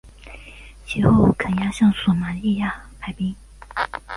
其后肯亚向索马利亚派兵。